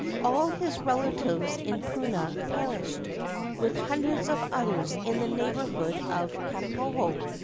All of his relatives in Puna perished, with hundreds of others in the neighbor hood of Kapoho.